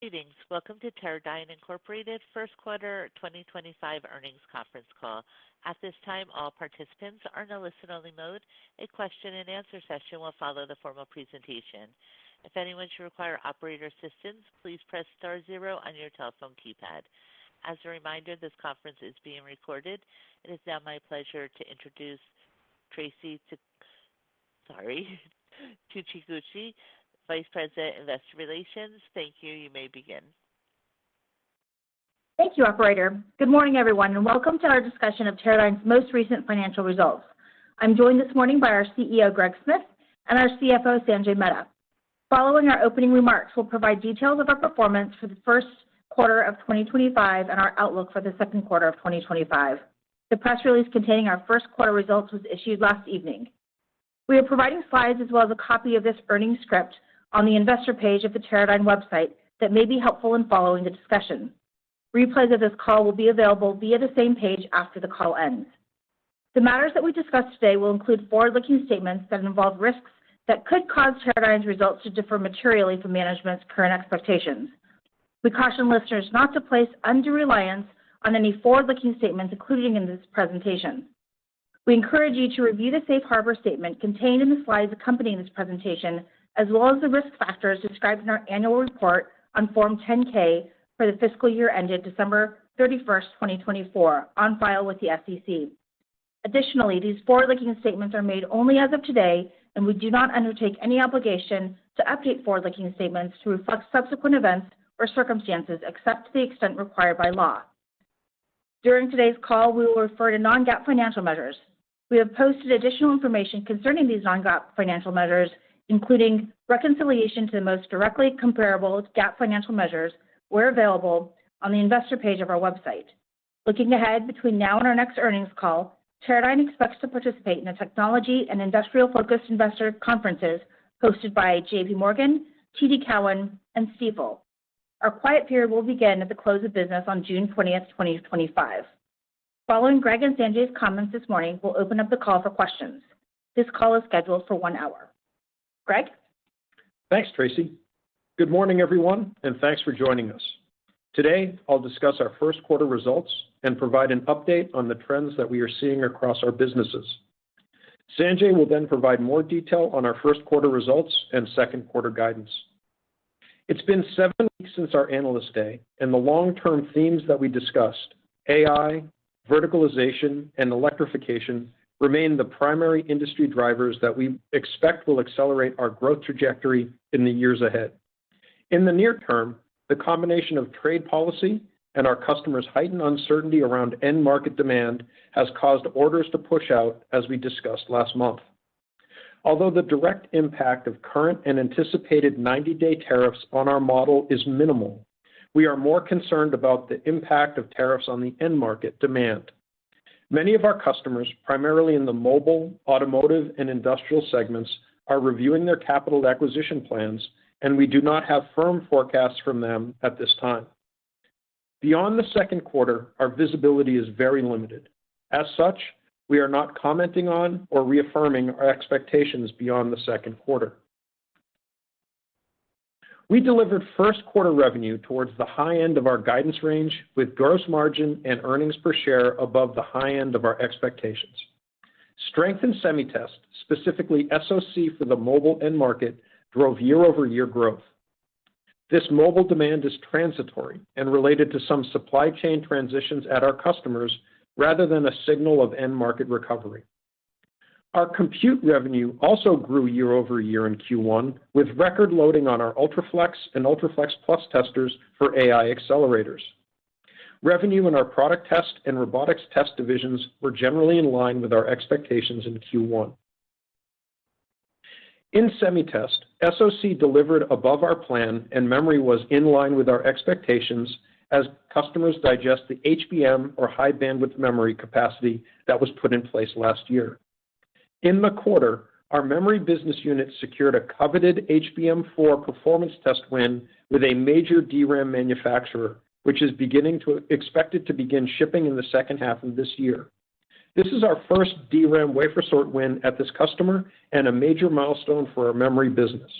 Greetings. Welcome to Teradyne Incorporated's first quarter 2025 earnings conference call. At this time, all participants are in a listen-only mode. A question-and-answer session will follow the formal presentation. If anyone should require operator assistance, please press star zero on your telephone keypad. As a reminder, this conference is being recorded. It is now my pleasure to introduce Traci Tsuchiguchi, Vice President, Investor Relations. Thank you. You may begin. Thank you, Operator. Good morning, everyone, and welcome to our discussion of Teradyne's most recent financial results. I'm joined this morning by our CEO, Greg Smith, and our CFO, Sanjay Mehta. Following our opening remarks, we'll provide details of our performance for the first quarter of 2025 and our outlook for the second quarter of 2025. The press release containing our first quarter results was issued last evening. We are providing slides as well as a copy of this earnings script on the investor page of the Teradyne website that may be helpful in following the discussion. Replays of this call will be available via the same page after the call ends. The matters that we discuss today will include forward-looking statements that involve risks that could cause Teradyne's results to differ materially from management's current expectations. We caution listeners not to place undue reliance on any forward-looking statements included in this presentation. We encourage you to review the safe harbor statement contained in the slides accompanying this presentation, as well as the risk factors described in our annual report on Form 10-K for the fiscal year ended December 31, 2024, on file with the SEC. Additionally, these forward-looking statements are made only as of today, and we do not undertake any obligation to update forward-looking statements to reflect subsequent events or circumstances except to the extent required by law. During today's call, we will refer to non-GAAP financial measures. We have posted additional information concerning these non-GAAP financial measures, including reconciliation to the most directly comparable GAAP financial measures where available on the investor page of our website. Looking ahead between now and our next earnings call, Teradyne expects to participate in the technology and industrial-focused investor conferences hosted by J.P. Morgan, TD Cowen, and Stifel. Our quiet period will begin at the close of business on June 20, 2025. Following Greg and Sanjay's comments this morning, we'll open up the call for questions. This call is scheduled for one hour. Greg? Thanks, Traci. Good morning, everyone, and thanks for joining us. Today, I'll discuss our first quarter results and provide an update on the trends that we are seeing across our businesses. Sanjay will then provide more detail on our first quarter results and second quarter guidance. It's been seven weeks since our analyst day, and the long-term themes that we discussed—AI, verticalization, and electrification—remain the primary industry drivers that we expect will accelerate our growth trajectory in the years ahead. In the near term, the combination of trade policy and our customers' heightened uncertainty around end market demand has caused orders to push out, as we discussed last month. Although the direct impact of current and anticipated 90-day tariffs on our model is minimal, we are more concerned about the impact of tariffs on the end market demand. Many of our customers, primarily in the mobile, automotive, and industrial segments, are reviewing their capital acquisition plans, and we do not have firm forecasts from them at this time. Beyond the second quarter, our visibility is very limited. As such, we are not commenting on or reaffirming our expectations beyond the second quarter. We delivered first quarter revenue towards the high end of our guidance range, with gross margin and earnings per share above the high end of our expectations. Strength in semi-test, specifically SoC for the mobile end market, drove year-over-year growth. This mobile demand is transitory and related to some supply chain transitions at our customers rather than a signal of end market recovery. Our compute revenue also grew year-over-year in Q1, with record loading on our UltraFlex and UltraFlex Plus testers for AI accelerators. Revenue in our product test and robotics test divisions were generally in line with our expectations in Q1. In semi-test, SoC delivered above our plan, and memory was in line with our expectations as customers digest the HBM, or high bandwidth memory, capacity that was put in place last year. In the quarter, our memory business unit secured a coveted HBM4 performance test win with a major DRAM manufacturer, which is beginning to expect it to begin shipping in the second half of this year. This is our first DRAM wafer sort win at this customer and a major milestone for our memory business.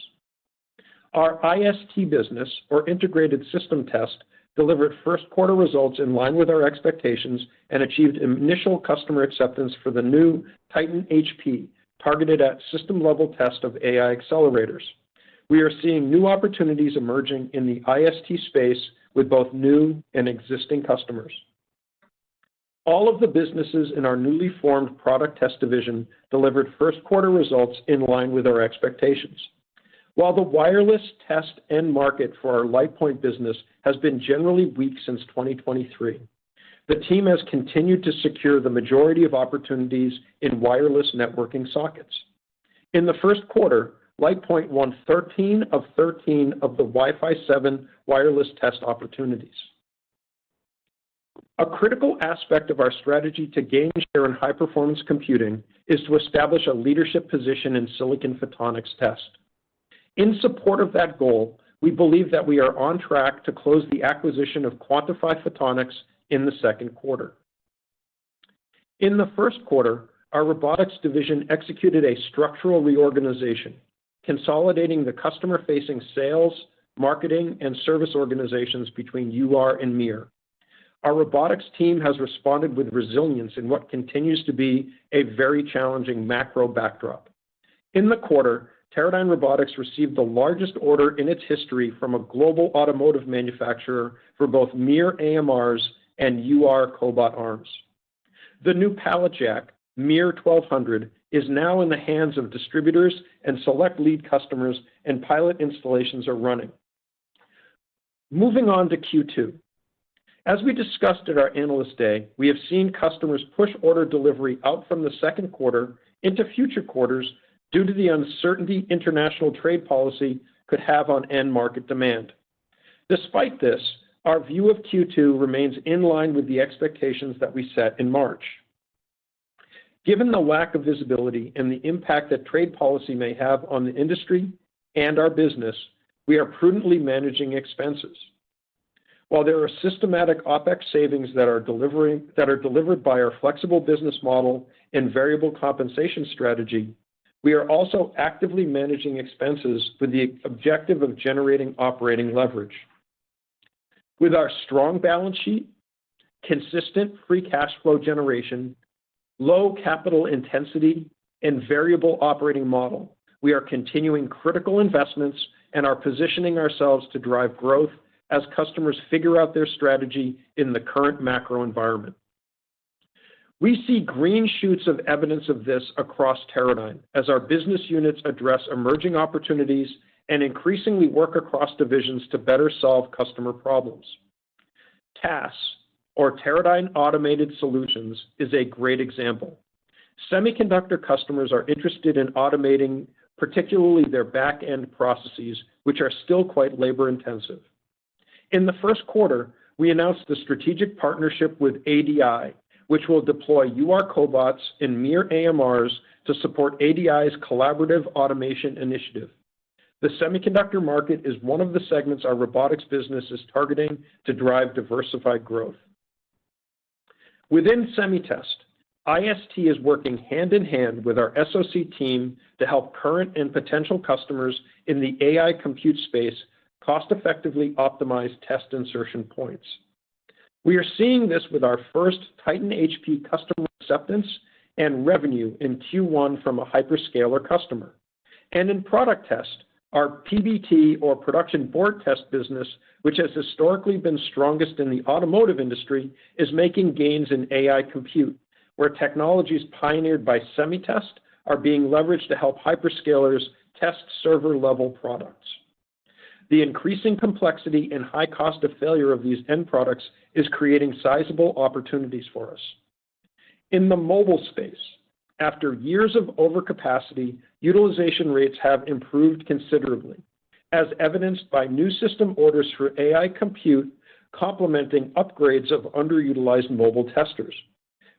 Our IST business, or integrated system test, delivered first quarter results in line with our expectations and achieved initial customer acceptance for the new Titan HP, targeted at system-level test of AI accelerators. We are seeing new opportunities emerging in the IST space with both new and existing customers. All of the businesses in our newly formed product test division delivered first quarter results in line with our expectations. While the wireless test end market for our LitePoint business has been generally weak since 2023, the team has continued to secure the majority of opportunities in wireless networking sockets. In the first quarter, LitePoint won 13 of 13 of the Wi-Fi 7 wireless test opportunities. A critical aspect of our strategy to gain share in high-performance computing is to establish a leadership position in silicon photonics test. In support of that goal, we believe that we are on track to close the acquisition of Quantifi Photonics in the second quarter. In the first quarter, our robotics division executed a structural reorganization, consolidating the customer-facing sales, marketing, and service organizations between UR and MiR. Our robotics team has responded with resilience in what continues to be a very challenging macro backdrop. In the quarter, Teradyne Robotics received the largest order in its history from a global automotive manufacturer for both MiR AMRs and UR cobot arms. The new pallet jack, MiR1200, is now in the hands of distributors and select lead customers, and pilot installations are running. Moving on to Q2. As we discussed at our analyst day, we have seen customers push order delivery out from the second quarter into future quarters due to the uncertainty international trade policy could have on end market demand. Despite this, our view of Q2 remains in line with the expectations that we set in March. Given the lack of visibility and the impact that trade policy may have on the industry and our business, we are prudently managing expenses. While there are systematic OpEx savings that are delivered by our flexible business model and variable compensation strategy, we are also actively managing expenses with the objective of generating operating leverage. With our strong balance sheet, consistent free cash flow generation, low capital intensity, and variable operating model, we are continuing critical investments and are positioning ourselves to drive growth as customers figure out their strategy in the current macro environment. We see green shoots of evidence of this across Teradyne as our business units address emerging opportunities and increasingly work across divisions to better solve customer problems. TAS, or Teradyne Automated Solutions, is a great example. Semiconductor customers are interested in automating, particularly their back-end processes, which are still quite labor-intensive. In the first quarter, we announced the strategic partnership with ADI, which will deploy UR cobots and MiR AMRs to support ADI's collaborative automation initiative. The semiconductor market is one of the segments our robotics business is targeting to drive diversified growth. Within semi-test, IST is working hand in hand with our SoC team to help current and potential customers in the AI compute space cost-effectively optimize test insertion points. We are seeing this with our first Titan HP customer acceptance and revenue in Q1 from a hyperscaler customer. In product test, our PBT, or production board test business, which has historically been strongest in the automotive industry, is making gains in AI compute, where technologies pioneered by semi-test are being leveraged to help hyperscalers test server-level products. The increasing complexity and high cost of failure of these end products is creating sizable opportunities for us. In the mobile space, after years of overcapacity, utilization rates have improved considerably, as evidenced by new system orders for AI compute complementing upgrades of underutilized mobile testers.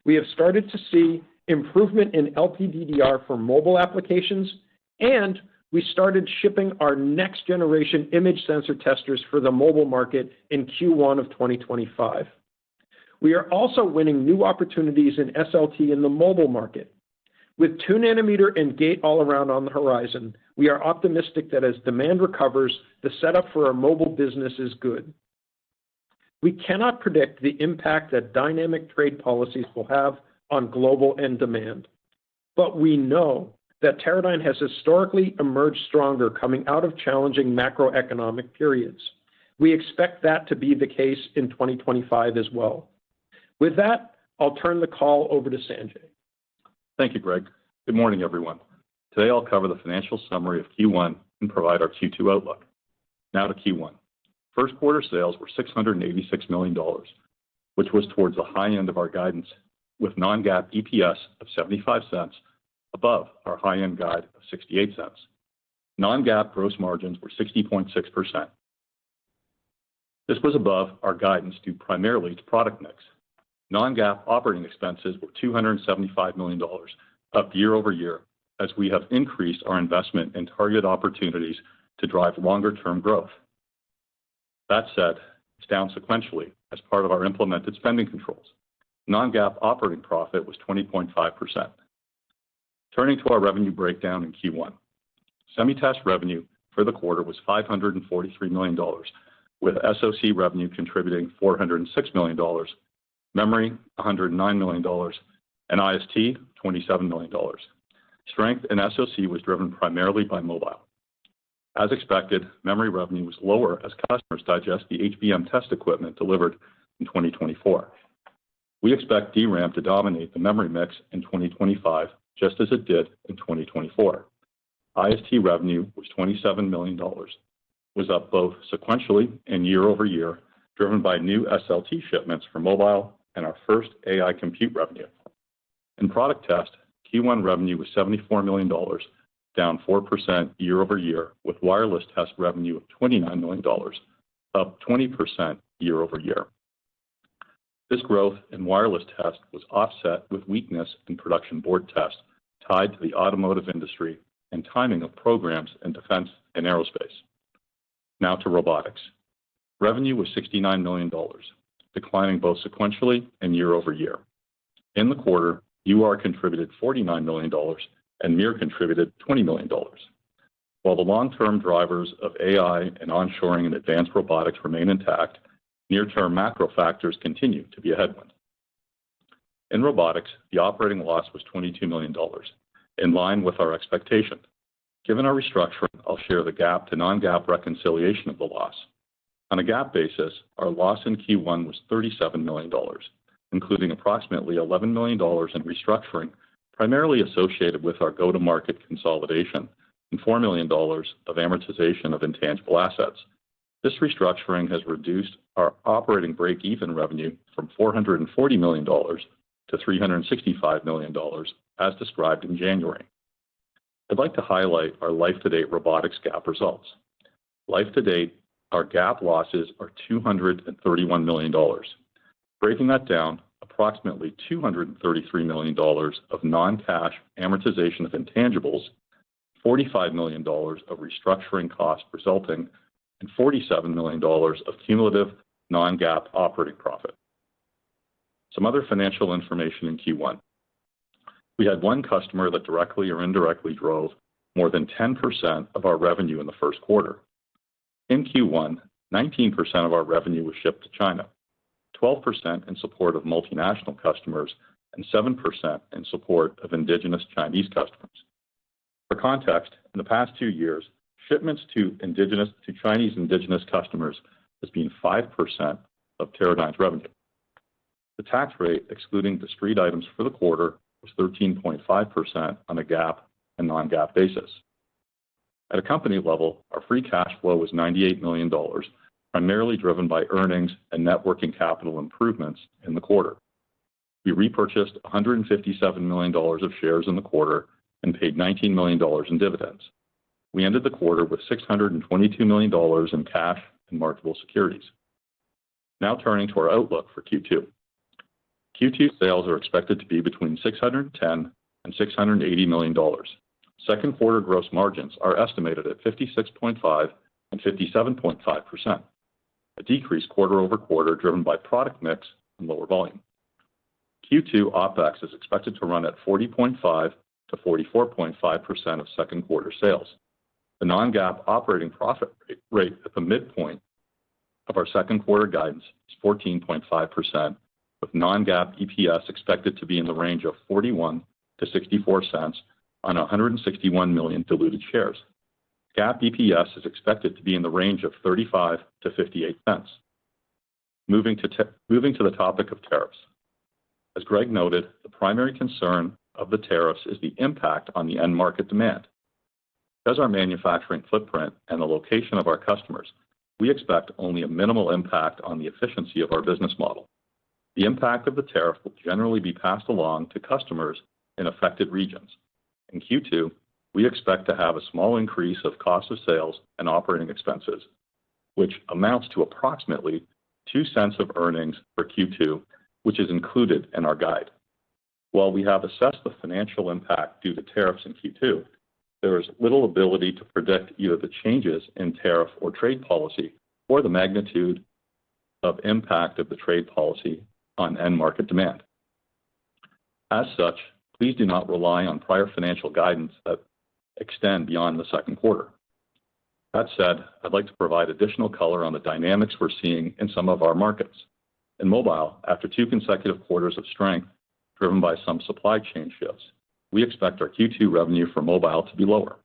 We have started to see improvement in LPDDR for mobile applications, and we started shipping our next-generation image sensor testers for the mobile market in Q1 of 2025. We are also winning new opportunities in SLT in the mobile market. With 2nm and gate all-around on the horizon, we are optimistic that as demand recovers, the setup for our mobile business is good. We cannot predict the impact that dynamic trade policies will have on global end demand, but we know that Teradyne has historically emerged stronger coming out of challenging macroeconomic periods. We expect that to be the case in 2025 as well. With that, I'll turn the call over to Sanjay. Thank you, Greg. Good morning, everyone. Today, I'll cover the financial summary of Q1 and provide our Q2 outlook. Now to Q1. First quarter sales were $686 million, which was towards the high end of our guidance, with non-GAAP EPS of $0.75 above our high-end guide of $0.68. Non-GAAP gross margins were 60.6%. This was above our guidance due primarily to product mix. Non-GAAP operating expenses were $275 million, up year-over-year, as we have increased our investment in targeted opportunities to drive longer-term growth. That said, it's down sequentially as part of our implemented spending controls. Non-GAAP operating profit was 20.5%. Turning to our revenue breakdown in Q1, semi-test revenue for the quarter was $543 million, with SoC revenue contributing $406 million, memory $109 million, and IST $27 million. Strength in SoC was driven primarily by mobile. As expected, memory revenue was lower as customers digest the HBM test equipment delivered in 2024. We expect DRAM to dominate the memory mix in 2025, just as it did in 2024. IST revenue was $27 million, was up both sequentially and year-over-year, driven by new SLT shipments for mobile and our first AI compute revenue. In product test, Q1 revenue was $74 million, down 4% year-over-year, with wireless test revenue of $29 million, up 20% year-over-year. This growth in wireless test was offset with weakness in production board test tied to the automotive industry and timing of programs in defense and aerospace. Now to robotics. Revenue was $69 million, declining both sequentially and year-over-year. In the quarter, UR contributed $49 million and MiR contributed $20 million. While the long-term drivers of AI and onshoring and advanced robotics remain intact, near-term macro factors continue to be a headwind. In robotics, the operating loss was $22 million, in line with our expectation. Given our restructuring, I'll share the GAAP to non-GAAP reconciliation of the loss. On a GAAP basis, our loss in Q1 was $37 million, including approximately $11 million in restructuring primarily associated with our go-to-market consolidation and $4 million of amortization of intangible assets. This restructuring has reduced our operating break-even revenue from $440 million to $365 million, as described in January. I'd like to highlight our life-to-date robotics GAAP results. Life-to-date, our GAAP losses are $231 million. Breaking that down, approximately $233 million of non-cash amortization of intangibles, $45 million of restructuring cost resulting, and $47 million of cumulative non-GAAP operating profit. Some other financial information in Q1. We had one customer that directly or indirectly drove more than 10% of our revenue in the first quarter. In Q1, 19% of our revenue was shipped to China, 12% in support of multinational customers, and 7% in support of indigenous Chinese customers. For context, in the past two years, shipments to Chinese indigenous customers has been 5% of Teradyne's revenue. The tax rate, excluding the street items for the quarter, was 13.5% on a GAAP and non-GAAP basis. At a company level, our free cash flow was $98 million, primarily driven by earnings and networking capital improvements in the quarter. We repurchased $157 million of shares in the quarter and paid $19 million in dividends. We ended the quarter with $622 million in cash and marketable securities. Now turning to our outlook for Q2. Q2 sales are expected to be between $610 million-$680 million. Second quarter gross margins are estimated at 56.5%-57.5%, a decrease quarter over quarter driven by product mix and lower volume. Q2 OpEx is expected to run at 40.5%-44.5% of second quarter sales. The non-GAAP operating profit rate at the midpoint of our second quarter guidance is 14.5%, with non-GAAP EPS expected to be in the range of $0.41-$0.64 on 161 million diluted shares. GAAP EPS is expected to be in the range of $0.35-$0.58. Moving to the topic of tariffs. As Greg noted, the primary concern of the tariffs is the impact on the end market demand. Because of our manufacturing footprint and the location of our customers, we expect only a minimal impact on the efficiency of our business model. The impact of the tariff will generally be passed along to customers in affected regions. In Q2, we expect to have a small increase of cost of sales and operating expenses, which amounts to approximately $0.02 of earnings per Q2, which is included in our guide. While we have assessed the financial impact due to tariffs in Q2, there is little ability to predict either the changes in tariff or trade policy or the magnitude of impact of the trade policy on end market demand. As such, please do not rely on prior financial guidance that extend beyond the second quarter. That said, I'd like to provide additional color on the dynamics we're seeing in some of our markets. In mobile, after two consecutive quarters of strength driven by some supply chain shifts, we expect our Q2 revenue for mobile to be lower.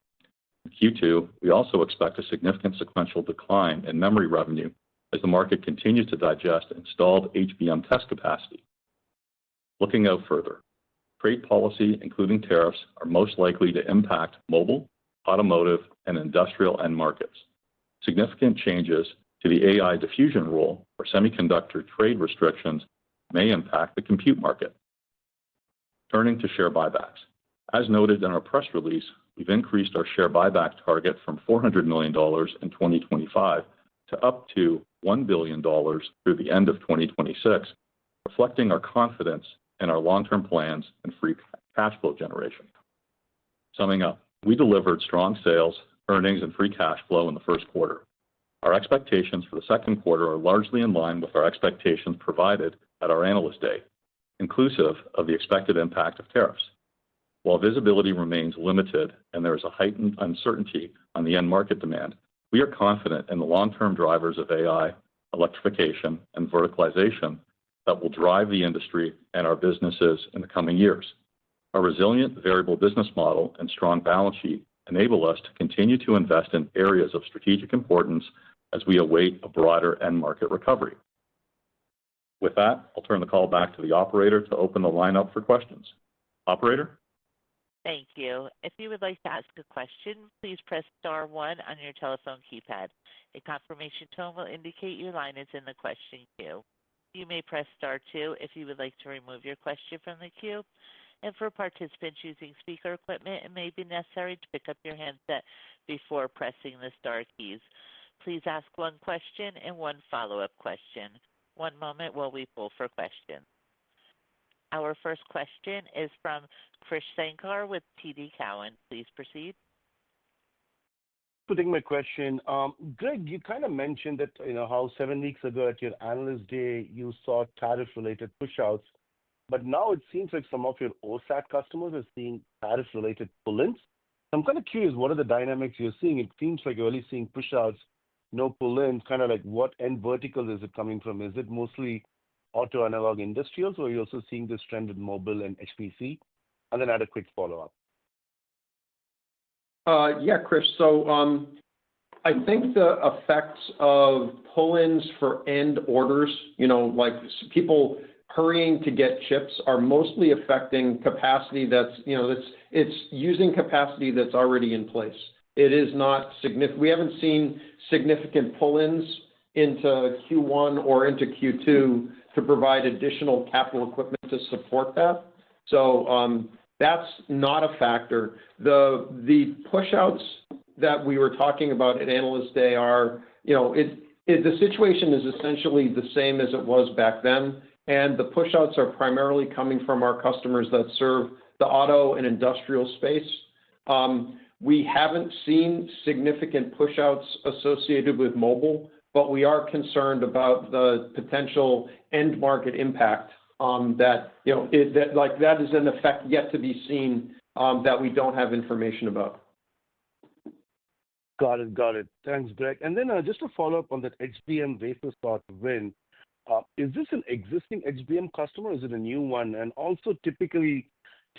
In Q2, we also expect a significant sequential decline in memory revenue as the market continues to digest installed HBM test capacity. Looking out further, trade policy, including tariffs, are most likely to impact mobile, automotive, and industrial end markets. Significant changes to the AI diffusion rule for semiconductor trade restrictions may impact the compute market. Turning to share buybacks. As noted in our press release, we've increased our share buyback target from $400 million in 2025 to up to $1 billion through the end of 2026, reflecting our confidence in our long-term plans and free cash flow generation. Summing up, we delivered strong sales, earnings, and free cash flow in the first quarter. Our expectations for the second quarter are largely in line with our expectations provided at our analyst day, inclusive of the expected impact of tariffs. While visibility remains limited and there is a heightened uncertainty on the end market demand, we are confident in the long-term drivers of AI, electrification, and verticalization that will drive the industry and our businesses in the coming years. Our resilient variable business model and strong balance sheet enable us to continue to invest in areas of strategic importance as we await a broader end market recovery. With that, I'll turn the call back to the operator to open the line up for questions. Operator? Thank you. If you would like to ask a question, please press Star 1 on your telephone keypad. A confirmation tone will indicate your line is in the question queue. You may press Star 2 if you would like to remove your question from the queue. For participants using speaker equipment, it may be necessary to pick up your handset before pressing the Star keys. Please ask one question and one follow-up question. One moment while we pull for questions. Our first question is from Krish Sankar with TD Cowen. Please proceed. Putting my question. Greg, you kind of mentioned that how seven weeks ago at your analyst day, you saw tariff-related push-outs, but now it seems like some of your OSAT customers are seeing tariff-related pull-ins. I am kind of curious, what are the dynamics you're seeing? It seems like you're only seeing push-outs, no pull-ins, kind of like what end verticals is it coming from? Is it mostly auto analog industrials, or are you also seeing this trend in mobile and HPC? I have a quick follow-up. Yeah, Krish. I think the effects of pull-ins for end orders, like people hurrying to get chips, are mostly affecting capacity that's using capacity that's already in place. It is not significant. We haven't seen significant pull-ins into Q1 or into Q2 to provide additional capital equipment to support that. That's not a factor. The push-outs that we were talking about at analyst day are the situation is essentially the same as it was back then, and the push-outs are primarily coming from our customers that serve the auto and industrial space. We haven't seen significant push-outs associated with mobile, but we are concerned about the potential end market impact that that is an effect yet to be seen that we don't have information about. Got it. Got it. Thanks, Greg. Just to follow up on that HBM wafer sort win, is this an existing HBM customer? Is it a new one? Also, typically,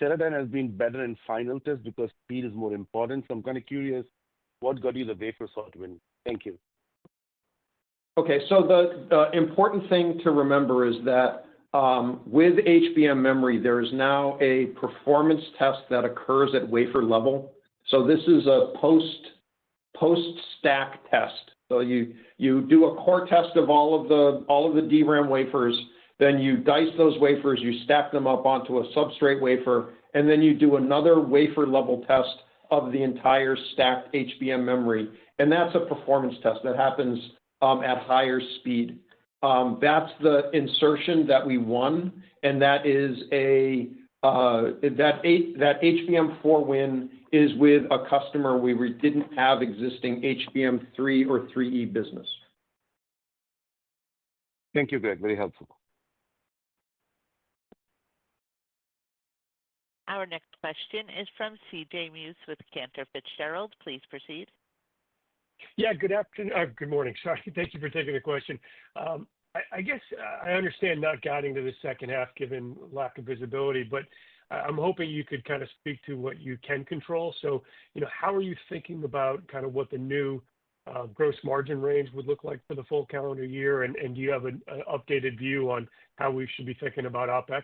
Teradyne has been better in final test because speed is more important. I am kind of curious, what got you the wafer sort win? Thank you. Okay. The important thing to remember is that with HBM memory, there is now a performance test that occurs at wafer level. This is a post-stack test. You do a core test of all of the DRAM wafers, then you dice those wafers, you stack them up onto a substrate wafer, and then you do another wafer level test of the entire stacked HBM memory. That is a performance test that happens at higher speed. That is the insertion that we won, and that HBM4 win is with a customer where we did not have existing HBM3 or 3E business. Thank you, Greg. Very helpful. Our next question is from CJ Muse with Cantor Fitzgerald. Please proceed. Yeah, good afternoon. Good morning. Sorry. Thank you for taking the question. I guess I understand not guiding to the second half given lack of visibility, but I'm hoping you could kind of speak to what you can control. How are you thinking about kind of what the new gross margin range would look like for the full calendar year? Do you have an updated view on how we should be thinking about OpEx?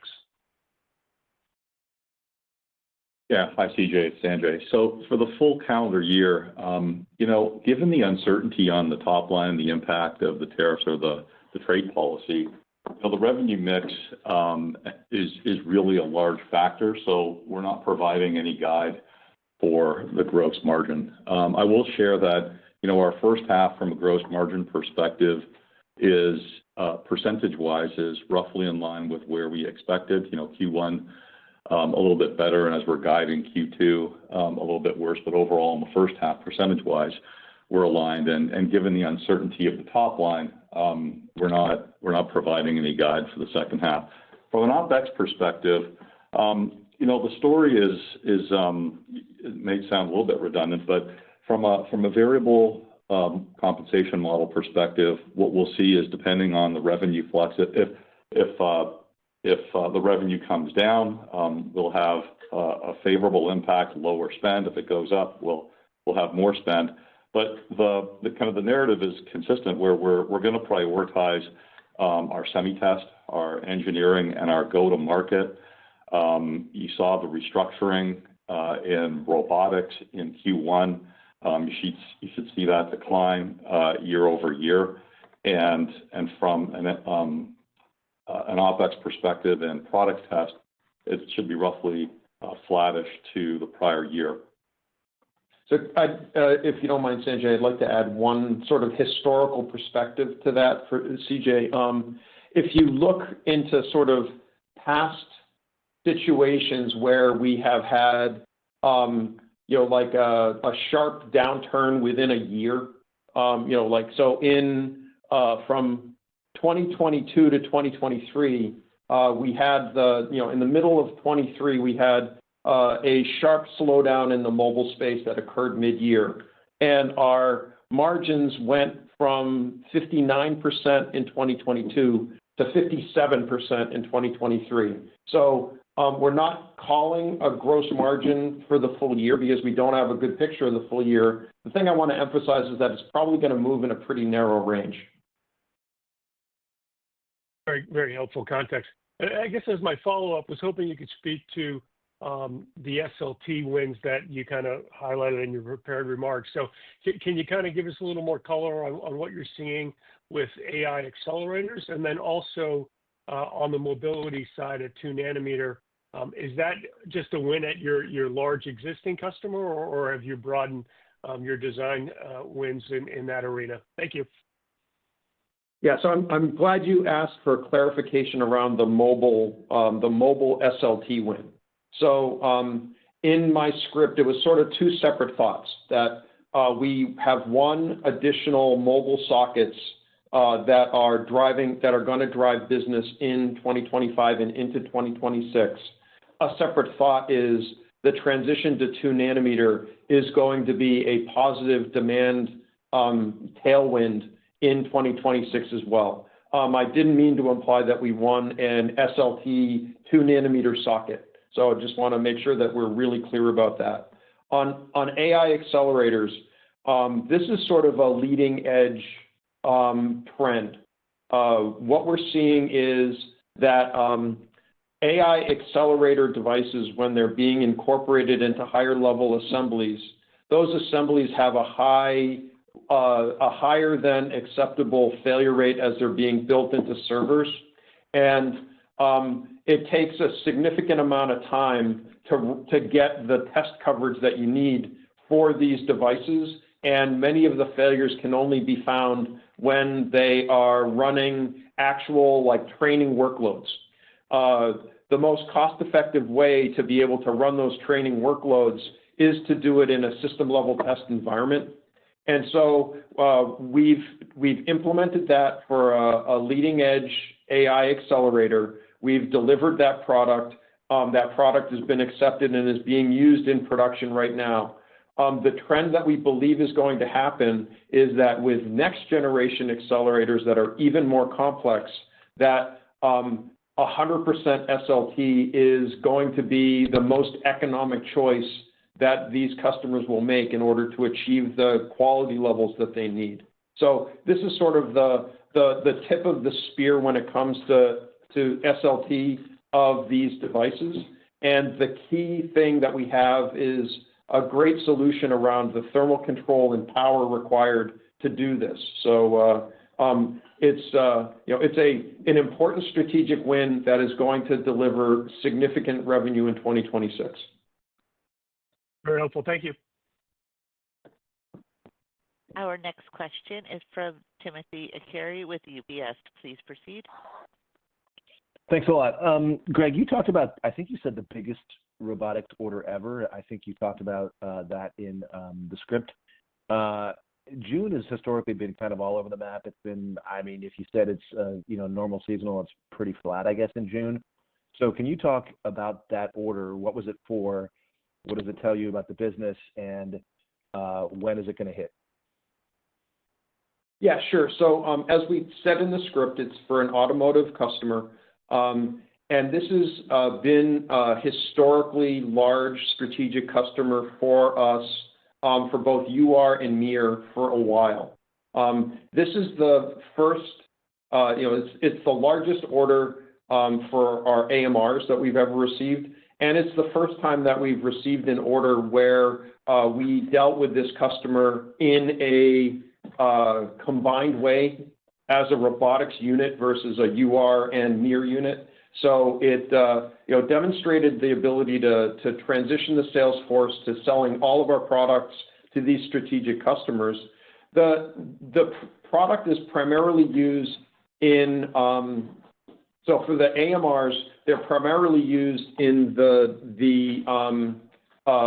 Yeah. Hi, CJ. It's Sanjay. For the full calendar year, given the uncertainty on the top line and the impact of the tariffs or the trade policy, the revenue mix is really a large factor. We're not providing any guide for the gross margin. I will share that our first half from a gross margin perspective, percentage-wise, is roughly in line with where we expected. Q1, a little bit better, and as we're guiding Q2, a little bit worse. Overall, in the first half, percentage-wise, we're aligned. Given the uncertainty of the top line, we're not providing any guide for the second half. From an OpEx perspective, the story is it may sound a little bit redundant, but from a variable compensation model perspective, what we'll see is, depending on the revenue flux, if the revenue comes down, we'll have a favorable impact, lower spend. If it goes up, we'll have more spend. Kind of the narrative is consistent where we're going to prioritize our semi-test, our engineering, and our go-to-market. You saw the restructuring in robotics in Q1. You should see that decline year over year. From an OpEx perspective and product test, it should be roughly flattish to the prior year. If you don't mind, Sanjay, I'd like to add one sort of historical perspective to that, CJ. If you look into sort of past situations where we have had a sharp downturn within a year, from 2022 to 2023, in the middle of 2023, we had a sharp slowdown in the mobile space that occurred mid-year. Our margins went from 59% in 2022 to 57% in 2023. We're not calling a gross margin for the full year because we don't have a good picture of the full year. The thing I want to emphasize is that it's probably going to move in a pretty narrow range. Very helpful context. I guess as my follow-up, I was hoping you could speak to the SLT wins that you kind of highlighted in your prepared remarks. Can you kind of give us a little more color on what you're seeing with AI accelerators? Also, on the mobility side at 2 nanometer, is that just a win at your large existing customer, or have you broadened your design wins in that arena? Thank you. Yeah. I'm glad you asked for clarification around the mobile SLT win. In my script, it was sort of two separate thoughts that we have one additional mobile sockets that are going to drive business in 2025 and into 2026. A separate thought is the transition to 2 nanometer is going to be a positive demand tailwind in 2026 as well. I didn't mean to imply that we won an SLT 2 nanometer socket. I just want to make sure that we're really clear about that. On AI accelerators, this is sort of a leading-edge trend. What we're seeing is that AI accelerator devices, when they're being incorporated into higher-level assemblies, those assemblies have a higher-than-acceptable failure rate as they're being built into servers. It takes a significant amount of time to get the test coverage that you need for these devices. Many of the failures can only be found when they are running actual training workloads. The most cost-effective way to be able to run those training workloads is to do it in a system-level test environment. We have implemented that for a leading-edge AI accelerator. We have delivered that product. That product has been accepted and is being used in production right now. The trend that we believe is going to happen is that with next-generation accelerators that are even more complex, 100% SLT is going to be the most economic choice that these customers will make in order to achieve the quality levels that they need. This is sort of the tip of the spear when it comes to SLT of these devices. The key thing that we have is a great solution around the thermal control and power required to do this. It's an important strategic win that is going to deliver significant revenue in 2026. Very helpful. Thank you. Our next question is from Timothy Arcuri with UBS. Please proceed. Thanks a lot. Greg, you talked about, I think you said the biggest robotics order ever. I think you talked about that in the script. June has historically been kind of all over the map. I mean, if you said it's normal seasonal, it's pretty flat, I guess, in June. Can you talk about that order? What was it for? What does it tell you about the business? And when is it going to hit? Yeah, sure. As we said in the script, it's for an automotive customer. This has been a historically large strategic customer for us for both UR and MiR for a while. This is the largest order for our AMRs that we've ever received. It's the first time that we've received an order where we dealt with this customer in a combined way as a robotics unit versus a UR and MiR unit. It demonstrated the ability to transition the sales force to selling all of our products to these strategic customers. The product is primarily used in, for the AMRs, they're primarily used in the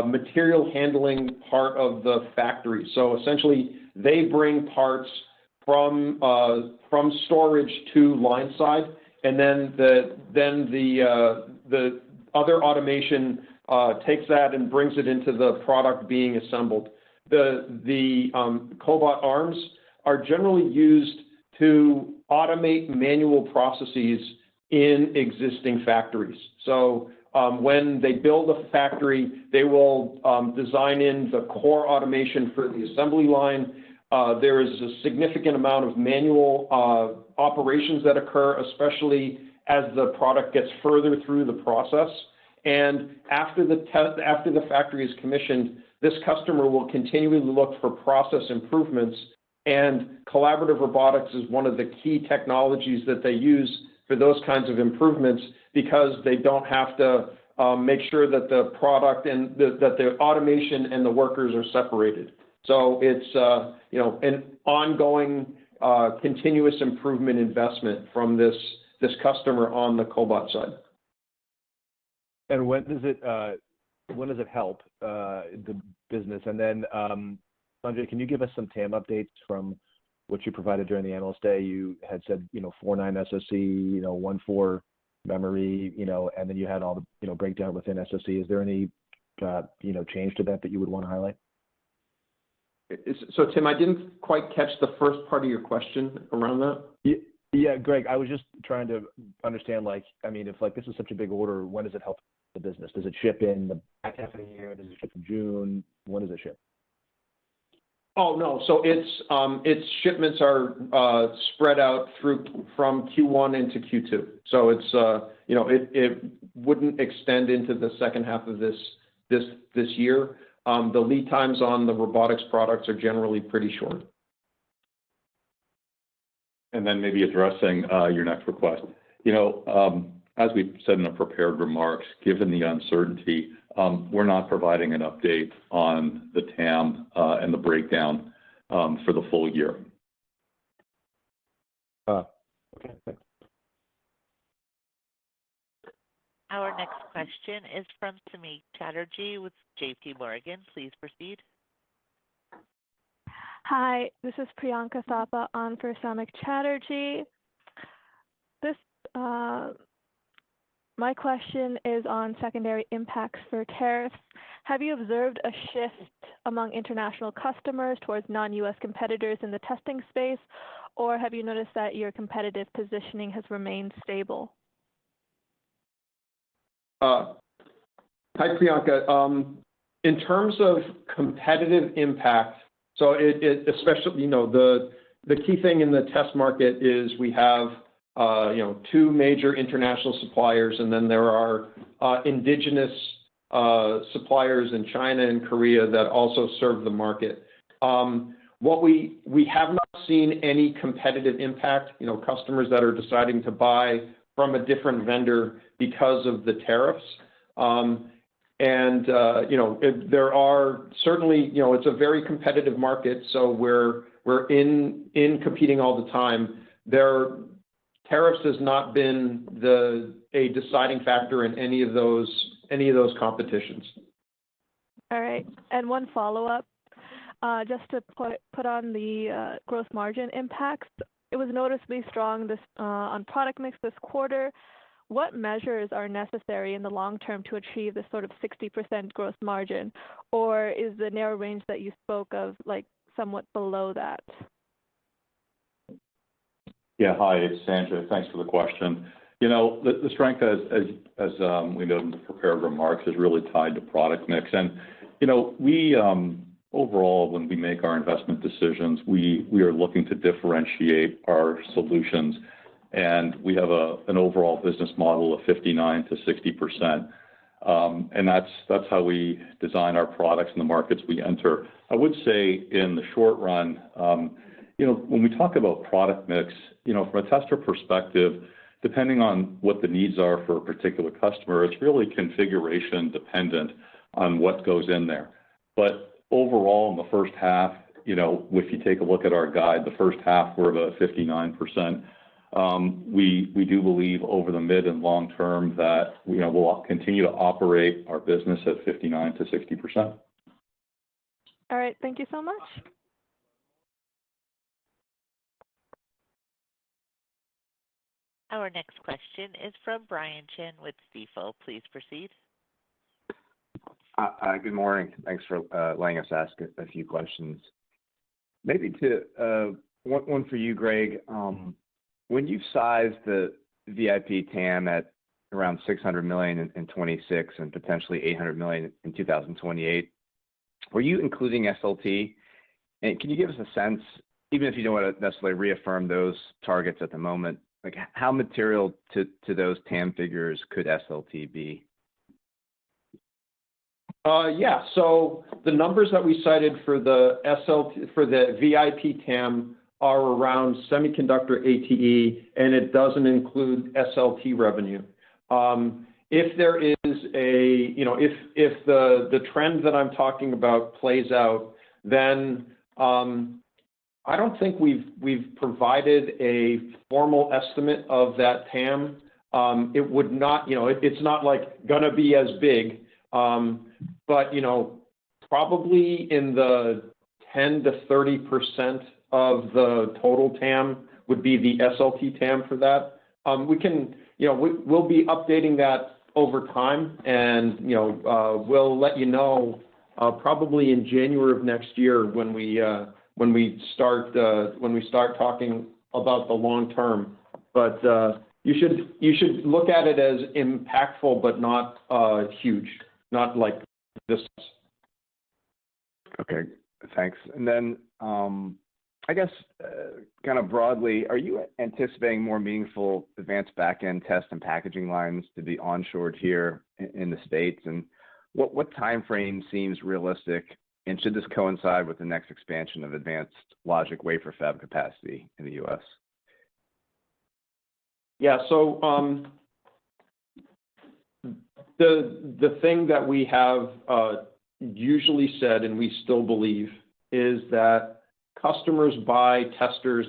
material handling part of the factory. Essentially, they bring parts from storage to line side. The other automation takes that and brings it into the product being assembled. The cobot arms are generally used to automate manual processes in existing factories. When they build a factory, they will design in the core automation for the assembly line. There is a significant amount of manual operations that occur, especially as the product gets further through the process. After the factory is commissioned, this customer will continually look for process improvements. Collaborative robotics is one of the key technologies that they use for those kinds of improvements because they do not have to make sure that the product and that the automation and the workers are separated. It is an ongoing continuous improvement investment from this customer on the cobot side. When does it help the business? Sanjay, can you give us some TAM updates from what you provided during the analyst day? You had said 4.9 SSE, 1.4 memory, and then you had all the breakdown within SSE. Is there any change to that that you would want to highlight? Tim, I didn't quite catch the first part of your question around that. Yeah, Greg. I was just trying to understand, I mean, if this is such a big order, when does it help the business? Does it ship in the back half of the year? Does it ship in June? When does it ship? Oh, no. Its shipments are spread out from Q1 into Q2. It would not extend into the second half of this year. The lead times on the robotics products are generally pretty short. Maybe addressing your next request, as we've said in the prepared remarks, given the uncertainty, we're not providing an update on the TAM and the breakdown for the full year. Our next question is from Samik Chatterjee with JPMorgan. Please proceed. Hi. This is Priyanka Thapa on for Samik Chatterjee. My question is on secondary impacts for tariffs. Have you observed a shift among international customers towards non-U.S. competitors in the testing space, or have you noticed that your competitive positioning has remained stable? Hi, Priyanka. In terms of competitive impact, especially the key thing in the test market is we have two major international suppliers, and then there are indigenous suppliers in China and Korea that also serve the market. We have not seen any competitive impact, customers that are deciding to buy from a different vendor because of the tariffs. It is certainly a very competitive market, so we're competing all the time. Tariffs have not been a deciding factor in any of those competitions. All right. One follow-up, just to put on the gross margin impacts, it was noticeably strong on product mix this quarter. What measures are necessary in the long term to achieve this sort of 60% gross margin, or is the narrow range that you spoke of somewhat below that? Yeah. Hi, it's Sanjay. Thanks for the question. The strength, as we know in the prepared remarks, is really tied to product mix. Overall, when we make our investment decisions, we are looking to differentiate our solutions. We have an overall business model of 59%-60%. That's how we design our products in the markets we enter. I would say in the short run, when we talk about product mix, from a tester perspective, depending on what the needs are for a particular customer, it's really configuration-dependent on what goes in there. Overall, in the first half, if you take a look at our guide, the first half, we're about 59%. We do believe over the mid and long term that we'll continue to operate our business at 59%-60%. All right. Thank you so much. Our next question is from Brian Chin with CFO. Please proceed. Good morning. Thanks for letting us ask a few questions. Maybe one for you, Greg. When you sized the VIP TAM at around $600 million in 2026 and potentially $800 million in 2028, were you including SLT? And can you give us a sense, even if you don't want to necessarily reaffirm those targets at the moment, how material to those TAM figures could SLT be? Yeah. The numbers that we cited for the VIP TAM are around semiconductor ATE, and it doesn't include SLT revenue. If the trend that I'm talking about plays out, then I don't think we've provided a formal estimate of that TAM. It's not going to be as big, but probably in the 10%-30% of the total TAM would be the SLT TAM for that. We'll be updating that over time, and we'll let you know probably in January of next year when we start talking about the long term. You should look at it as impactful, but not huge, not like this. Okay. Thanks. I guess kind of broadly, are you anticipating more meaningful advanced back-end test and packaging lines to be onshored here in the U.S.? What timeframe seems realistic? Should this coincide with the next expansion of advanced logic wafer fab capacity in the U.S.? Yeah. The thing that we have usually said, and we still believe, is that customers buy testers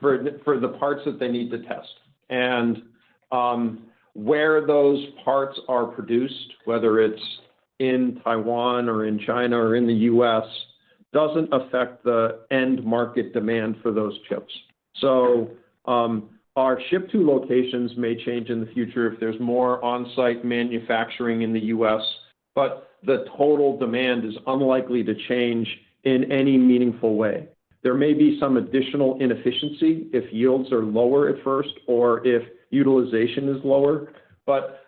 for the parts that they need to test. Where those parts are produced, whether it's in Taiwan or in China or in the U.S., doesn't affect the end market demand for those chips. Our ship-to locations may change in the future if there's more on-site manufacturing in the U.S., but the total demand is unlikely to change in any meaningful way. There may be some additional inefficiency if yields are lower at first or if utilization is lower.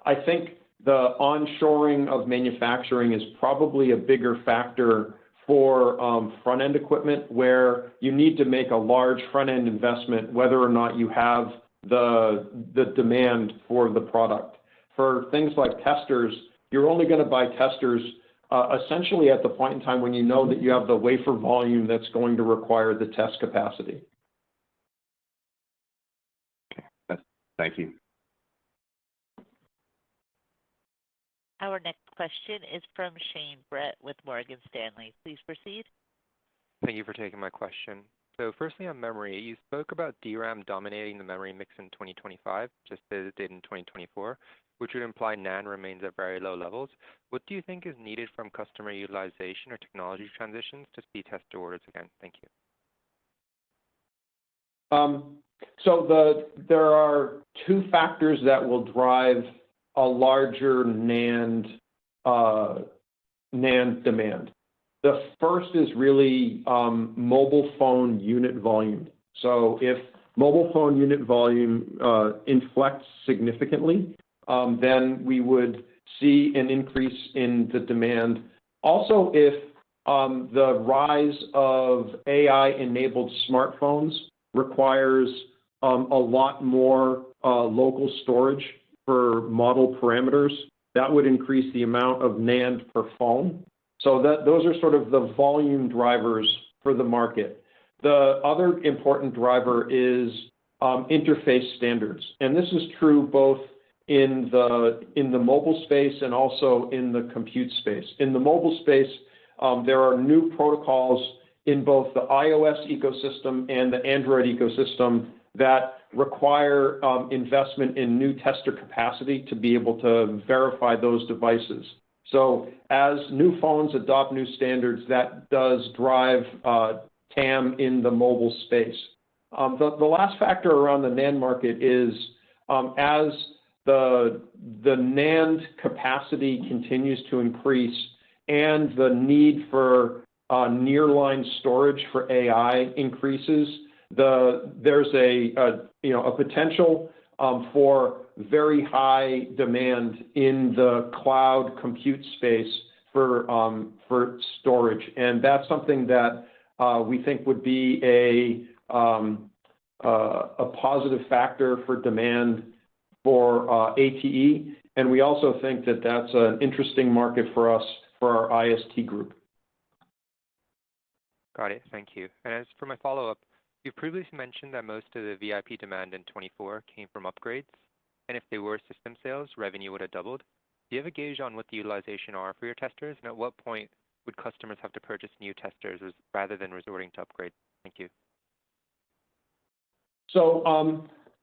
I think the onshoring of manufacturing is probably a bigger factor for front-end equipment where you need to make a large front-end investment, whether or not you have the demand for the product. For things like testers, you're only going to buy testers essentially at the point in time when you know that you have the wafer volume that's going to require the test capacity. Okay. Thank you. Our next question is from Shane Bretch with Morgan Stanley. Please proceed. Thank you for taking my question. Firstly, on memory, you spoke about DRAM dominating the memory mix in 2025, just as it did in 2024, which would imply NAND remains at very low levels. What do you think is needed from customer utilization or technology transitions to see test orders again? Thank you. There are two factors that will drive a larger NAND demand. The first is really mobile phone unit volume. If mobile phone unit volume inflects significantly, then we would see an increase in the demand. Also, if the rise of AI-enabled smartphones requires a lot more local storage for model parameters, that would increase the amount of NAND per phone. Those are sort of the volume drivers for the market. The other important driver is interface standards. This is true both in the mobile space and also in the compute space. In the mobile space, there are new protocols in both the iOS ecosystem and the Android ecosystem that require investment in new tester capacity to be able to verify those devices. As new phones adopt new standards, that does drive TAM in the mobile space. The last factor around the NAND market is as the NAND capacity continues to increase and the need for nearline storage for AI increases, there's a potential for very high demand in the cloud compute space for storage. That is something that we think would be a positive factor for demand for ATE. We also think that that's an interesting market for us for our IST group. Got it. Thank you. As for my follow-up, you previously mentioned that most of the VIP demand in 2024 came from upgrades. If there were system sales, revenue would have doubled. Do you have a gauge on what the utilization are for your testers, and at what point would customers have to purchase new testers rather than resorting to upgrades? Thank you.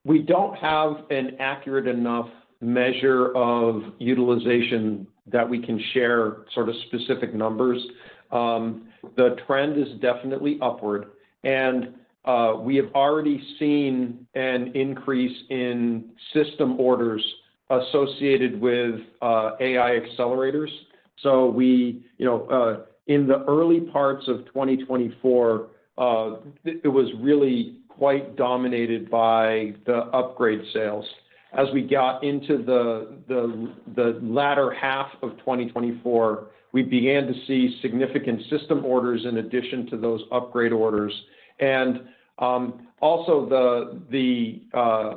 We do not have an accurate enough measure of utilization that we can share, sort of specific numbers. The trend is definitely upward. We have already seen an increase in system orders associated with AI accelerators. In the early parts of 2024, it was really quite dominated by the upgrade sales. As we got into the latter half of 2024, we began to see significant system orders in addition to those upgrade orders. Also, the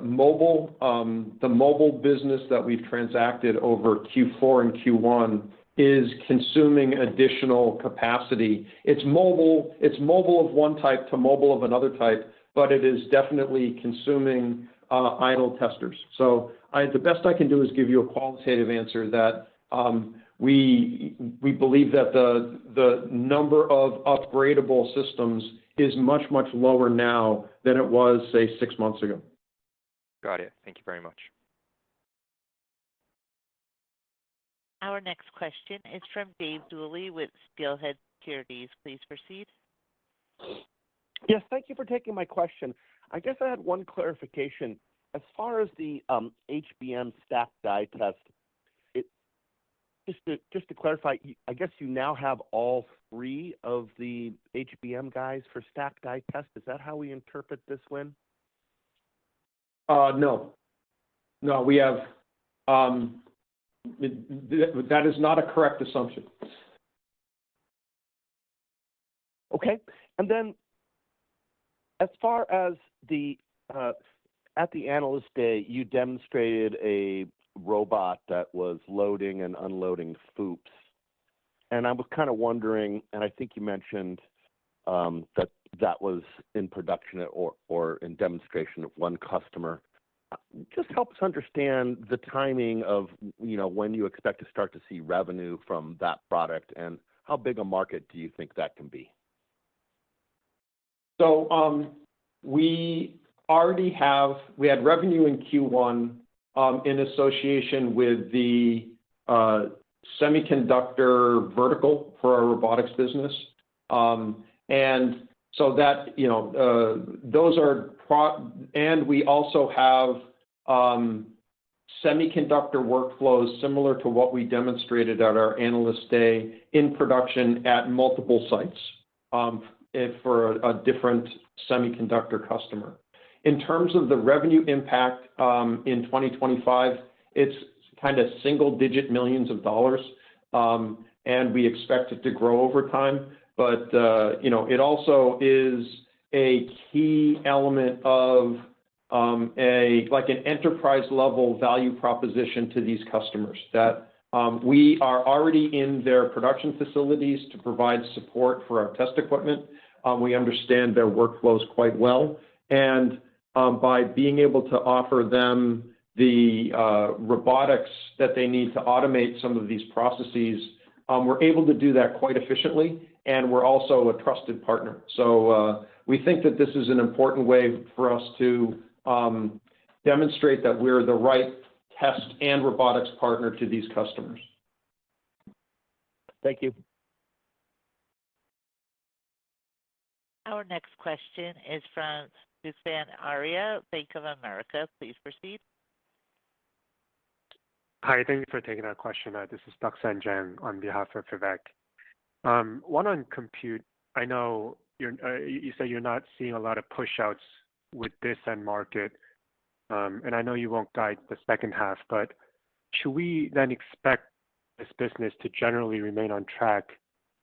mobile business that we have transacted over Q4 and Q1 is consuming additional capacity. It is mobile of one type to mobile of another type, but it is definitely consuming idle testers. The best I can do is give you a qualitative answer that we believe that the number of upgradable systems is much, much lower now than it was, say, six months ago. Got it. Thank you very much. Our next question is from Dave Duley with SteelHead Securities. Please proceed. Yes. Thank you for taking my question. I guess I had one clarification. As far as the HBM stack die test, just to clarify, I guess you now have all three of the HBM guys for stack die test. Is that how we interpret this win? No. No. That is not a correct assumption. Okay. As far as at the Analyst Day, you demonstrated a robot that was loading and unloading FOUPs. I was kind of wondering, and I think you mentioned that that was in production or in demonstration at one customer. Just help us understand the timing of when you expect to start to see revenue from that product and how big a market do you think that can be? We had revenue in Q1 in association with the semiconductor vertical for our robotics business. Those are, and we also have semiconductor workflows similar to what we demonstrated at our analyst day in production at multiple sites for a different semiconductor customer. In terms of the revenue impact in 2025, it's kind of single-digit millions of dollars, and we expect it to grow over time. It also is a key element of an enterprise-level value proposition to these customers that we are already in their production facilities to provide support for our test equipment. We understand their workflows quite well. By being able to offer them the robotics that they need to automate some of these processes, we're able to do that quite efficiently, and we're also a trusted partner. We think that this is an important way for us to demonstrate that we're the right test and robotics partner to these customers. Thank you. Our next question is from Vivek Arya, Bank of America. Please proceed. Hi. Thank you for taking our question. This is Duksan Jang on behalf of Vivek. One on compute, I know you said you're not seeing a lot of push-outs with this end market. I know you won't guide the second half, but should we then expect this business to generally remain on track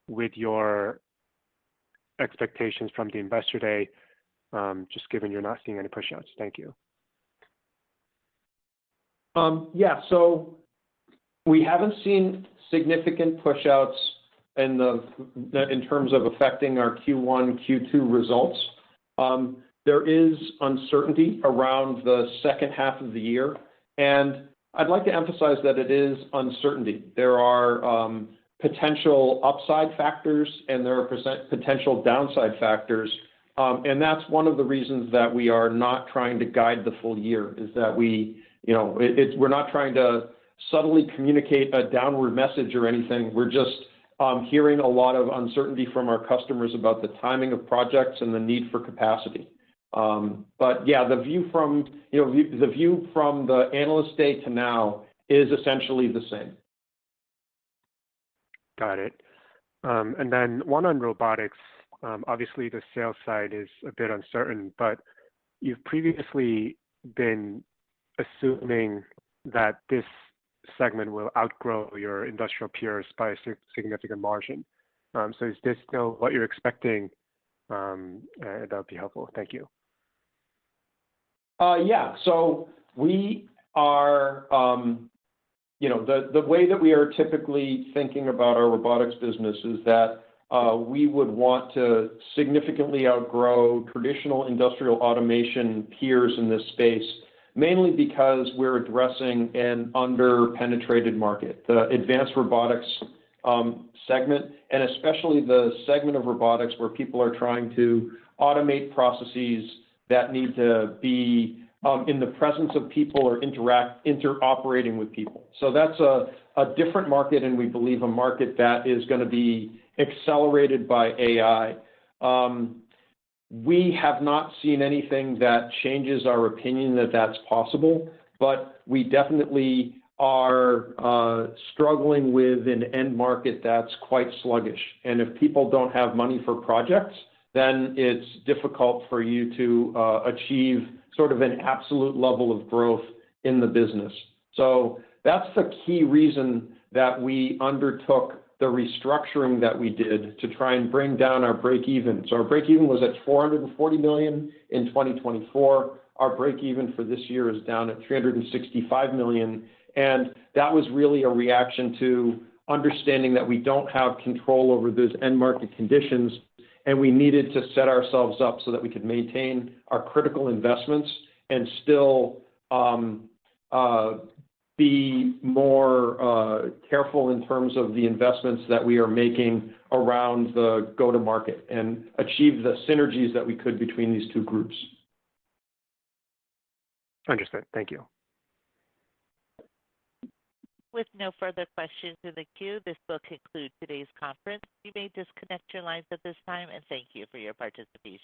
with your expectations from the Investor Day, just given you're not seeing any push-outs? Thank you. Yeah. We haven't seen significant push-outs in terms of affecting our Q1, Q2 results. There is uncertainty around the second half of the year. I'd like to emphasize that it is uncertainty. There are potential upside factors, and there are potential downside factors. That's one of the reasons that we are not trying to guide the full year is that we're not trying to subtly communicate a downward message or anything. We're just hearing a lot of uncertainty from our customers about the timing of projects and the need for capacity. Yeah, the view from the analyst day to now is essentially the same. Got it. One on robotics, obviously, the sales side is a bit uncertain, but you've previously been assuming that this segment will outgrow your industrial peers by a significant margin. Is this still what you're expecting? That would be helpful. Thank you. Yeah. The way that we are typically thinking about our robotics business is that we would want to significantly outgrow traditional industrial automation peers in this space, mainly because we're addressing an under-penetrated market, the advanced robotics segment, and especially the segment of robotics where people are trying to automate processes that need to be in the presence of people or interoperating with people. That is a different market, and we believe a market that is going to be accelerated by AI. We have not seen anything that changes our opinion that that's possible, but we definitely are struggling with an end market that's quite sluggish. If people do not have money for projects, then it's difficult for you to achieve sort of an absolute level of growth in the business. That's the key reason that we undertook the restructuring that we did to try and bring down our break-even. Our break-even was at $440 million in 2024. Our break-even for this year is down at $365 million. That was really a reaction to understanding that we do not have control over those end market conditions, and we needed to set ourselves up so that we could maintain our critical investments and still be more careful in terms of the investments that we are making around the go-to-market and achieve the synergies that we could between these two groups. Understood. Thank you. With no further questions in the queue, this will conclude today's conference. You may disconnect your lines at this time, and thank you for your participation.